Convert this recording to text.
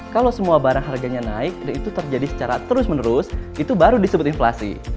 kalau semua barang harganya naik dan itu terjadi secara terus menerus itu baru disebut inflasi